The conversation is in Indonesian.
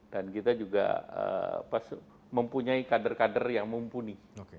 dan kita juga mempunyai kader kader yang mumpuni